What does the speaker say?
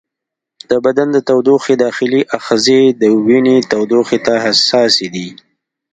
د بدن د تودوخې داخلي آخذې د وینې تودوخې ته حساسې دي.